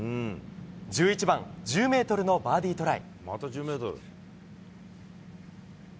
１１番１０ｍのバーディートライ。